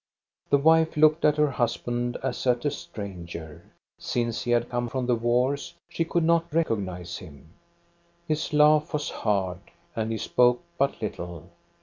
The wife looked at her husband as at a stranger. Since he had come from the wars, she could not recognize him. His laugh was hard, and he spoke but little.